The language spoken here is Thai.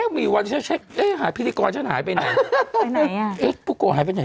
เอ๊ะมีวันเอ๊ะหายพิธีกรฉันหายไปไหนไปไหนอ่ะเอ๊ะพูโกหายไปไหน